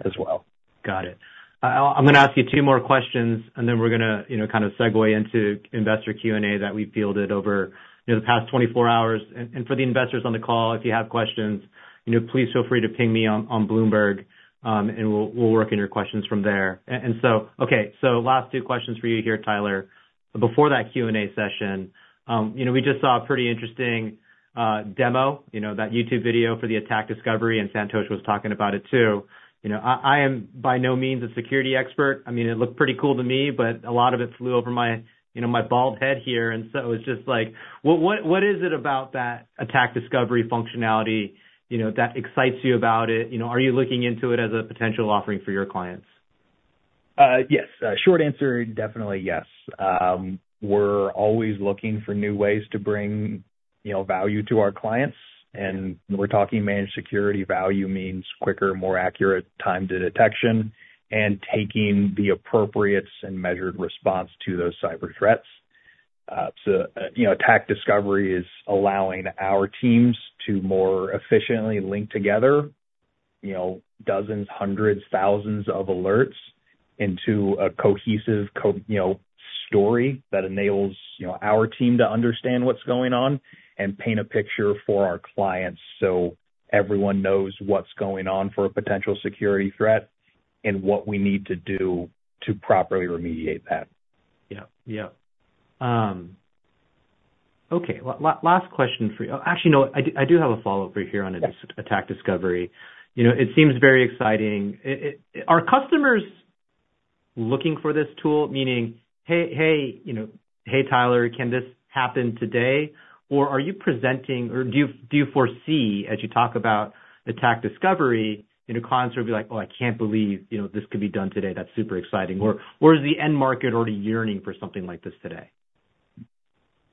as well. Got it. I'm gonna ask you two more questions, and then we're gonna, you know, kind of segue into investor Q&A that we fielded over, you know, the past 24 hours. And for the investors on the call, if you have questions, you know, please feel free to ping me on Bloomberg, and we'll work in your questions from there. So, okay, so last two questions for you here, Tyler. Before that Q&A session, you know, we just saw a pretty interesting demo, you know, that YouTube video for the Attack Discovery, and Santosh was talking about it too. You know, I am by no means a security expert. I mean, it looked pretty cool to me, but a lot of it flew over my, you know, my bald head here. It's just like: what, what, what is it about that Attack Discovery functionality, you know, that excites you about it? You know, are you looking into it as a potential offering for your clients? Yes. Short answer, definitely yes. We're always looking for new ways to bring, you know, value to our clients. When we're talking managed security, value means quicker, more accurate time to detection, and taking the appropriate and measured response to those cyber threats. So, you know, Attack Discovery is allowing our teams to more efficiently link together, you know, dozens, hundreds, thousands of alerts into a cohesive story that enables, you know, our team to understand what's going on and paint a picture for our clients, so everyone knows what's going on for a potential security threat and what we need to do to properly remediate that. Yeah. Yeah. Okay. Last question for you. Actually, no, I do, I do have a follow-up for you here on Attack Discovery. You know, it seems very exciting. Are customers looking for this tool? Meaning, "Hey, hey, you know, hey, Tyler, can this happen today?" Or are you presenting or do you, do you foresee, as you talk about Attack Discovery, you know, clients will be like, "Oh, I can't believe, you know, this could be done today. That's super exciting." Or, or is the end market already yearning for something like this today?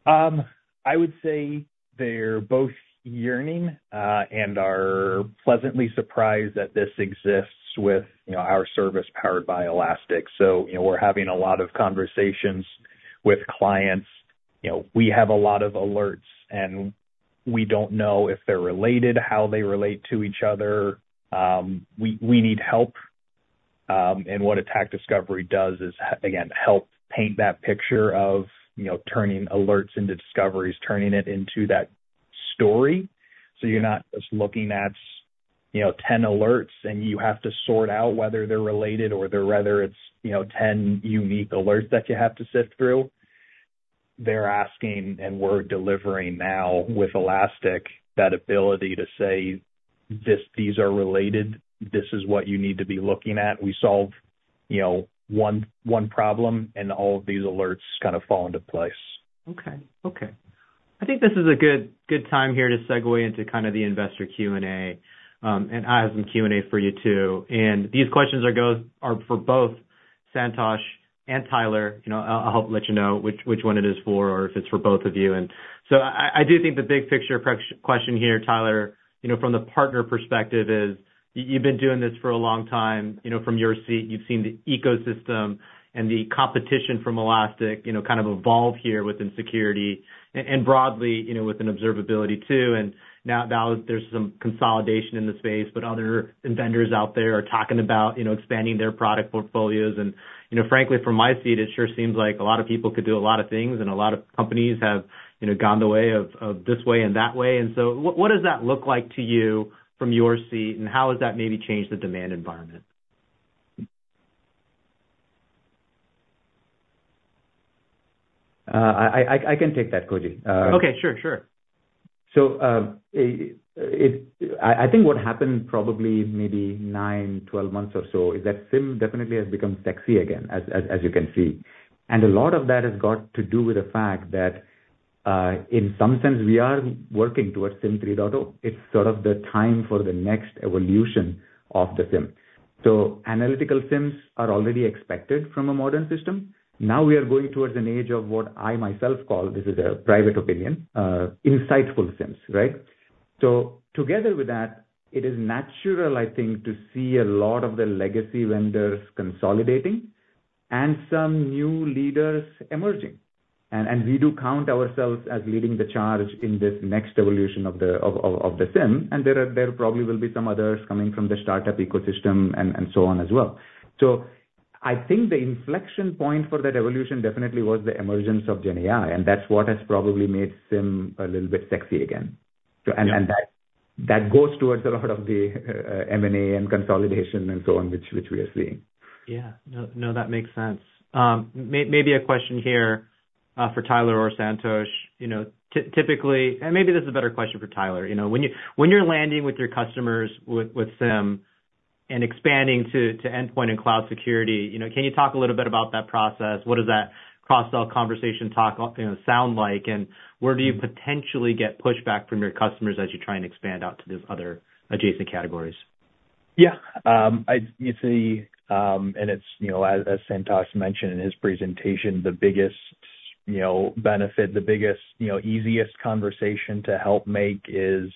I would say they're both yearning, and are pleasantly surprised that this exists with, you know, our service powered by Elastic. So, you know, we're having a lot of conversations with clients. You know, we have a lot of alerts, and we don't know if they're related, how they relate to each other. We need help. And what Attack Discovery does is, again, help paint that picture of, you know, turning alerts into discoveries, turning it into that story. So you're not just looking at, you know, 10 alerts, and you have to sort out whether they're related or whether it's, you know, 10 unique alerts that you have to sift through. They're asking, and we're delivering now with Elastic, that ability to say, "These are related. This is what you need to be looking at." We solve, you know, one problem, and all of these alerts kind of fall into place. Okay. Okay. I think this is a good, good time here to segue into kind of the investor Q&A, and I have some Q&A for you, too. And these questions are for both Santosh and Tyler. You know, I'll, I'll let you know which, which one it is for or if it's for both of you. And so I do think the big picture question here, Tyler, you know, from the partner perspective is, you've been doing this for a long time. You know, from your seat, you've seen the ecosystem and the competition from Elastic, you know, kind of evolve here within security and, and broadly, you know, with an observability too. And now, now there's some consolidation in the space, but other vendors out there are talking about, you know, expanding their product portfolios. You know, frankly, from my seat, it sure seems like a lot of people could do a lot of things, and a lot of companies have, you know, gone the way of, of this way and that way. So what, what does that look like to you from your seat, and how has that maybe changed the demand environment? I can take that, Koji. Okay, sure, sure. So, I think what happened probably maybe nine, 12 months or so, is that SIEM definitely has become sexy again, as you can see. And a lot of that has got to do with the fact that, in some sense, we are working towards SIEM 3.0. It's sort of the time for the next evolution of the SIEM. So analytical SIEMs are already expected from a modern system. Now we are going towards an age of what I myself call, this is a private opinion, insightful SIEMs, right? So together with that, it is natural, I think, to see a lot of the legacy vendors consolidating and some new leaders emerging. And we do count ourselves as leading the charge in this next evolution of the SIEM, and there probably will be some others coming from the startup ecosystem and so on as well. So I think the inflection point for that evolution definitely was the emergence of GenAI, and that's what has probably made SIEM a little bit sexy again. Yeah. So, and that goes towards a lot of the M&A and consolidation and so on, which we are seeing. Yeah. No, no, that makes sense. Maybe a question here, for Tyler or Santosh. You know, typically... And maybe this is a better question for Tyler. You know, when you're landing with your customers with, with SIEM and expanding to, to endpoint and cloud security, you know, can you talk a little bit about that process? What does that cross-sell conversation talk, you know, sound like? And where do you potentially get pushback from your customers as you try and expand out to these other adjacent categories? Yeah. I'd say, and it's, you know, as Santosh mentioned in his presentation, the biggest, you know, benefit, the biggest, you know, easiest conversation to help make is,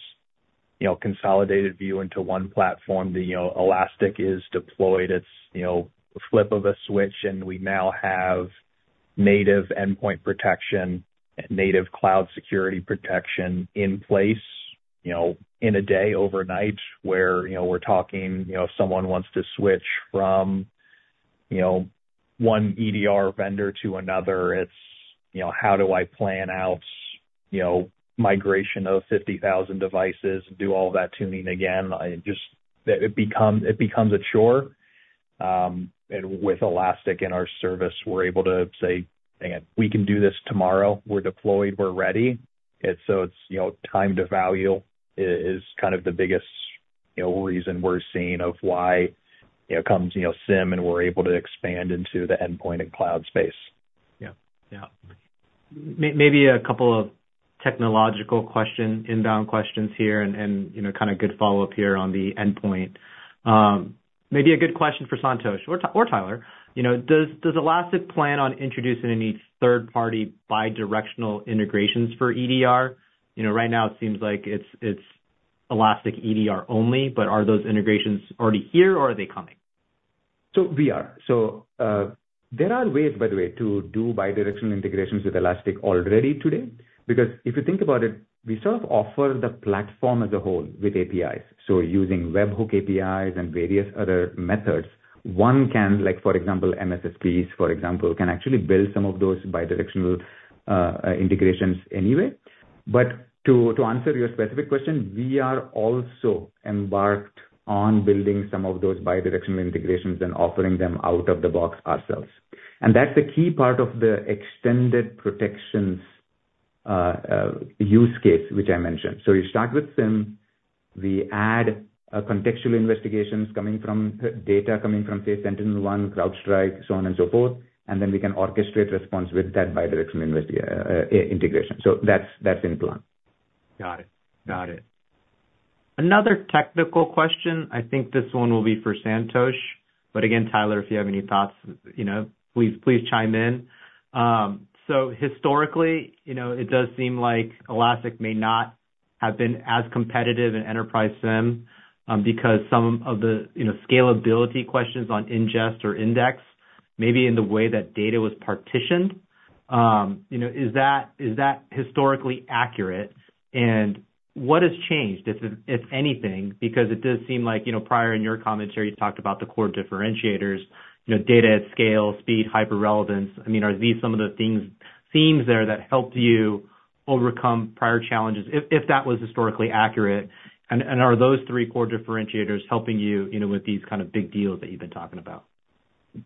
you know, consolidated view into one platform. The, you know, Elastic is deployed. It's, you know, a flip of a switch, and we now have native endpoint protection, native cloud security protection in place, you know, in a day, overnight, where, you know, we're talking, you know, if someone wants to switch from, you know, one EDR vendor to another, it's, you know, how do I plan out, you know, migration of 50,000 devices and do all that tuning again? I just. It becomes, it becomes a chore. And with Elastic and our service, we're able to say, "We can do this tomorrow. We're deployed, we're ready." And so it's, you know, time to value is, kind of, the biggest, you know, reason we're seeing of why, you know, comes, you know, SIEM, and we're able to expand into the endpoint and cloud space. Yeah. Yeah. Maybe a couple of technological question, inbound questions here and, and, you know, kind of good follow-up here on the endpoint. Maybe a good question for Santosh or Tyler. You know, does, does Elastic plan on introducing any third-party, bi-directional integrations for EDR? You know, right now it seems like it's, it's Elastic EDR only, but are those integrations already here or are they coming? There are ways, by the way, to do bi-directional integrations with Elastic already today. Because if you think about it, we sort of offer the platform as a whole with APIs. So using webhook APIs and various other methods, one can, like, for example, MSSPs, for example, can actually build some of those bi-directional integrations anyway. But to answer your specific question, we are also embarked on building some of those bi-directional integrations and offering them out of the box ourselves. And that's a key part of the extended protections use case, which I mentioned. So you start with SIEM, we add contextual investigations coming from data coming from, say, SentinelOne, CrowdStrike, so on and so forth, and then we can orchestrate response with that bi-directional integration. So that's in plan. Got it. Got it. Another technical question. I think this one will be for Santosh, but again, Tyler, if you have any thoughts, you know, please, please chime in. So historically, you know, it does seem like Elastic may not have been as competitive in enterprise SIEM, because some of the, you know, scalability questions on ingest or index, maybe in the way that data was partitioned. You know, is that, is that historically accurate, and what has changed, if, if anything? Because it does seem like, you know, prior in your commentary, you talked about the core differentiators, you know, data at scale, speed, hyper relevance. I mean, are these some of the things... themes there that helped you overcome prior challenges, if, if that was historically accurate? And, are those three core differentiators helping you, you know, with these kind of big deals that you've been talking about?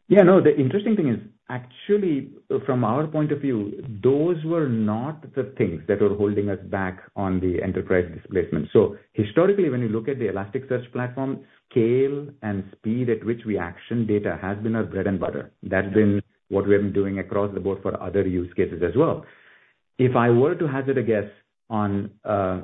Yeah, no, the interesting thing is, actually, from our point of view, those were not the things that were holding us back on the enterprise displacement. So historically, when you look at the Elasticsearch platform, scale and speed at which we action data has been our bread and butter. That's been what we have been doing across the board for other use cases as well. If I were to hazard a guess on,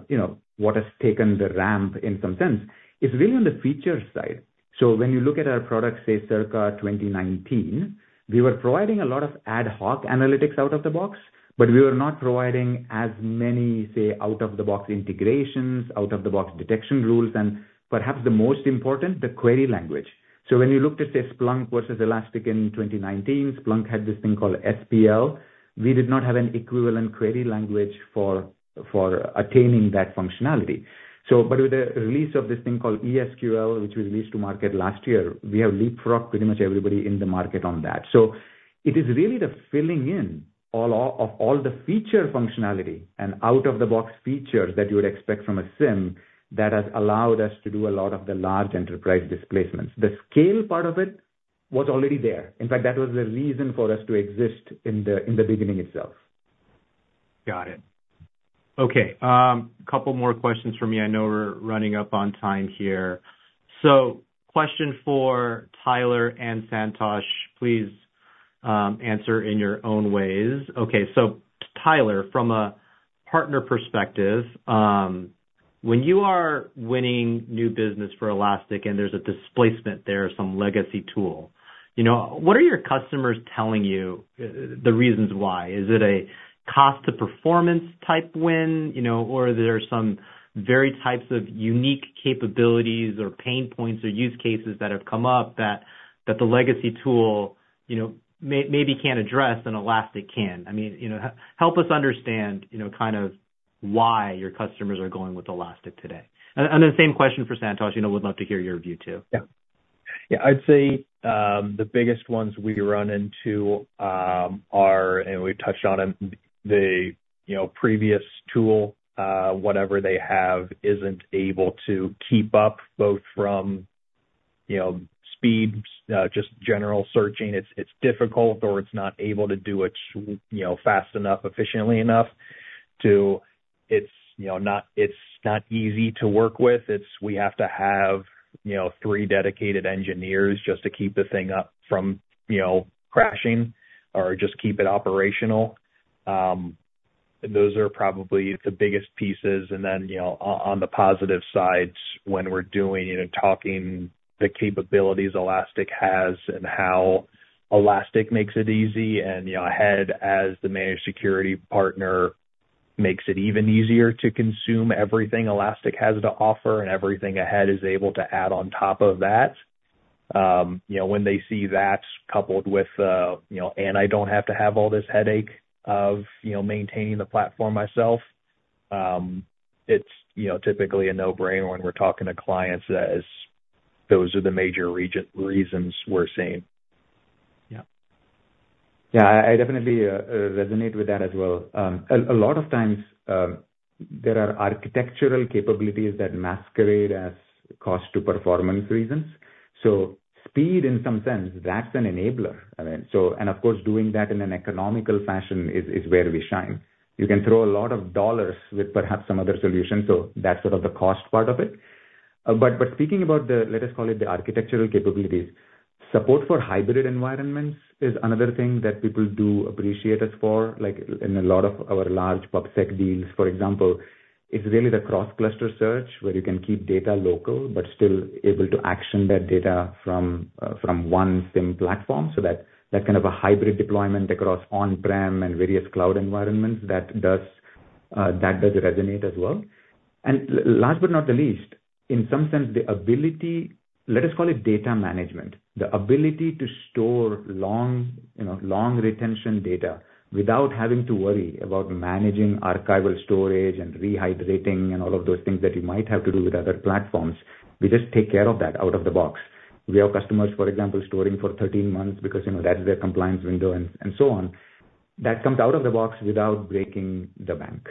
you know, what has taken the ramp in some sense, it's really on the feature side. So when you look at our products, say, circa 2019, we were providing a lot of ad hoc analytics out of the box, but we were not providing as many, say, out-of-the-box integrations, out-of-the-box detection rules, and perhaps the most important, the query language. So when you looked at, say, Splunk versus Elastic in 2019, Splunk had this thing called SPL. We did not have an equivalent query language for attaining that functionality. So, but with the release of this thing called ES|QL, which we released to market last year, we have leapfrogged pretty much everybody in the market on that. So it is really the filling in all of all the feature functionality and out-of-the-box features that you would expect from a SIEM that has allowed us to do a lot of the large enterprise displacements. The scale part of it was already there. In fact, that was the reason for us to exist in the beginning itself. Got it. Okay, couple more questions for me. I know we're running up on time here. So question for Tyler and Santosh. Please, answer in your own ways. Okay, so Tyler, from a partner perspective, when you are winning new business for Elastic and there's a displacement there, some legacy tool, you know, what are your customers telling you, the reasons why? Is it a cost to performance type win, you know, or are there some varied types of unique capabilities or pain points or use cases that have come up that the legacy tool, you know, maybe can't address and Elastic can? I mean, you know, help us understand, you know, kind of why your customers are going with Elastic today. And the same question for Santosh, you know, we'd love to hear your view, too. Yeah. Yeah, I'd say, the biggest ones we run into, are, and we touched on them, the, you know, previous tool, whatever they have, isn't able to keep up, both from, you know, speed, just general searching. It's, it's difficult or it's not able to do it, you know, fast enough, efficiently enough to... It's, you know, not - it's not easy to work with. It's, we have to have, you know, three dedicated engineers just to keep the thing up from, you know, crashing or just keep it operational. Those are probably the biggest pieces. And then, you know, on the positive side, when we're doing and talking the capabilities Elastic has and how Elastic makes it easy, and, you know, AHEAD as the managed security partner-... Makes it even easier to consume everything Elastic has to offer, and everything AHEAD is able to add on top of that. You know, when they see that coupled with, you know, and I don't have to have all this headache of, you know, maintaining the platform myself, it's, you know, typically a no-brainer when we're talking to clients as those are the major reasons we're seeing. Yeah. Yeah, I definitely resonate with that as well. A lot of times, there are architectural capabilities that masquerade as cost to performance reasons. So speed, in some sense, that's an enabler. I mean, and of course, doing that in an economical fashion is where we shine. You can throw a lot of dollars with perhaps some other solutions, so that's sort of the cost part of it. But speaking about the, let us call it, the architectural capabilities, support for hybrid environments is another thing that people do appreciate us for. Like, in a lot of our large public sector deals, for example, it's really the cross-cluster search, where you can keep data local, but still able to action that data from one SIEM platform. So that, that kind of a hybrid deployment across on-prem and various cloud environments, that does, that does resonate as well. And last but not the least, in some sense, the ability... Let us call it data management. The ability to store long, you know, long retention data without having to worry about managing archival storage and rehydrating and all of those things that you might have to do with other platforms. We just take care of that out of the box. We have customers, for example, storing for 13 months because, you know, that's their compliance window and, and so on. That comes out of the box without breaking the bank.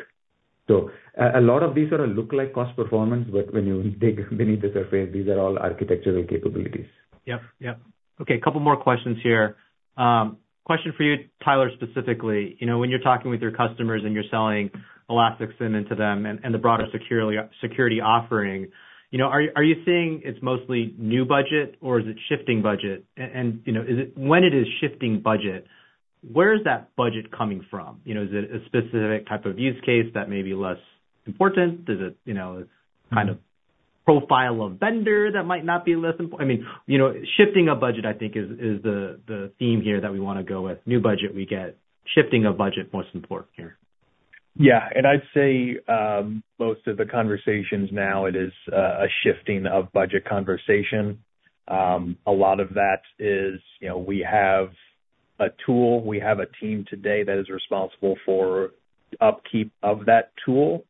So a, a lot of these are look like cost performance, but when you dig beneath the surface, these are all architectural capabilities. Yep, yep. Okay, a couple more questions here. Question for you, Tyler, specifically. You know, when you're talking with your customers and you're selling Elastic SIEM into them and the broader security offering, you know, are you seeing it's mostly new budget, or is it shifting budget? And, you know, is it when it is shifting budget, where is that budget coming from? You know, is it a specific type of use case that may be less important? Is it, you know, it's kind of profile of vendor that might not be less important? I mean, you know, shifting a budget, I think, is the theme here that we wanna go with. New budget we get. Shifting of budget, most important here. Yeah. And I'd say, most of the conversations now, it is, a shifting of budget conversation. A lot of that is, you know, we have a tool, we have a team today that is responsible for upkeep of that tool.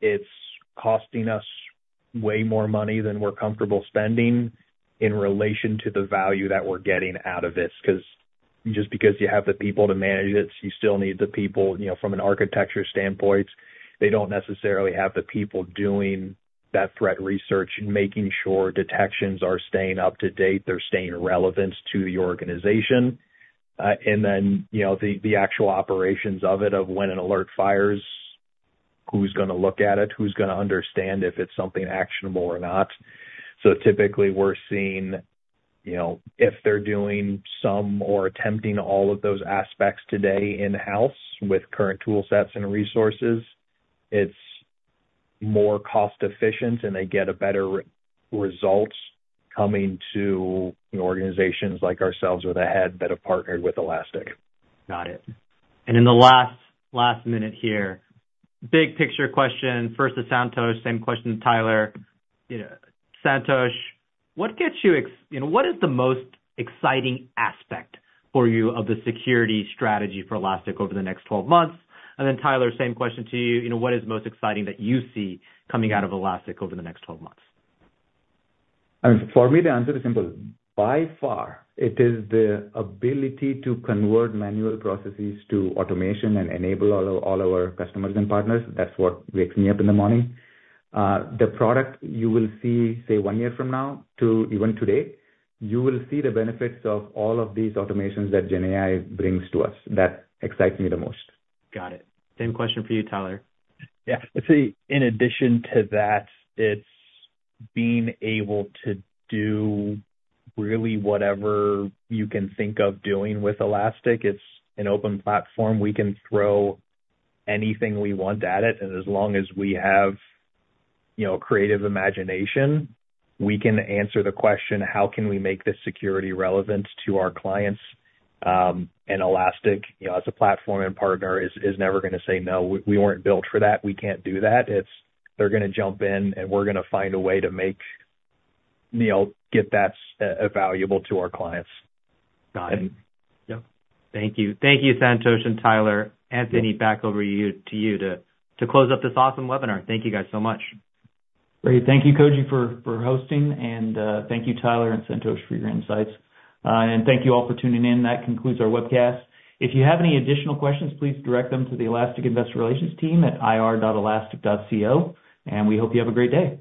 It's costing us way more money than we're comfortable spending in relation to the value that we're getting out of this, 'cause just because you have the people to manage it, you still need the people, you know, from an architecture standpoint, they don't necessarily have the people doing that threat research and making sure detections are staying up to date, they're staying relevant to the organization. And then, you know, the actual operations of it, of when an alert fires, who's gonna look at it, who's gonna understand if it's something actionable or not? So typically, we're seeing, you know, if they're doing some or attempting all of those aspects today in-house with current toolsets and resources, it's more cost efficient, and they get a better results coming to organizations like ourselves or AHEAD that have partnered with Elastic. Got it. In the last, last minute here, big picture question, first to Santosh, same question, Tyler. You know, Santosh, what gets you, you know, what is the most exciting aspect for you of the security strategy for Elastic over the next 12 months? And then, Tyler, same question to you. You know, what is most exciting that you see coming out of Elastic over the next 12 months? For me, the answer is simple. By far, it is the ability to convert manual processes to automation and enable all, all our customers and partners. That's what wakes me up in the morning. The product you will see, say, one year from now to even today, you will see the benefits of all of these automations that GenAI brings to us. That excites me the most. Got it. Same question for you, Tyler. Yeah. I'd say in addition to that, it's being able to do really whatever you can think of doing with Elastic. It's an open platform. We can throw anything we want at it, and as long as we have, you know, creative imagination, we can answer the question: How can we make this security relevant to our clients? And Elastic, you know, as a platform and partner, is, is never gonna say, "No, we weren't built for that. We can't do that." It's they're gonna jump in, and we're gonna find a way to make, you know, get that valuable to our clients. Got it. Yep. Thank you. Thank you, Santosh and Tyler. Anthony, back over to you to close up this awesome webinar. Thank you guys so much. Great. Thank you, Koji, for hosting, and thank you, Tyler and Santosh, for your insights. And thank you all for tuning in. That concludes our webcast. If you have any additional questions, please direct them to the Elastic Investor Relations team at ir.elastic.co, and we hope you have a great day.